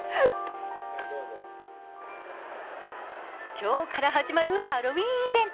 今日から始まるハロウィーンイベント。